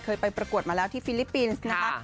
ไปประกวดมาแล้วที่ฟิลิปปินส์นะคะ